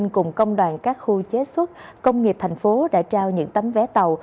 cùng công đoàn các khu chế xuất công nghiệp tp hcm đã trao những tấm vé tàu